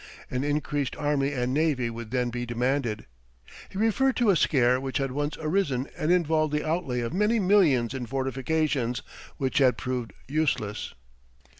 An increased army and navy would then be demanded. He referred to a scare which had once arisen and involved the outlay of many millions in fortifications which had proved useless.